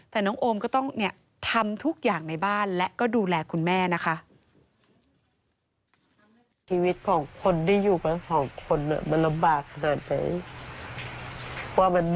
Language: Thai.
แต่น้องโอมก็ต้องทำทุกอย่างในบ้านและก็ดูแลคุณแม่นะคะ